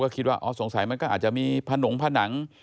คิดว่าอ๋อสงสัยมันก็อาจจะมีผนงผนัง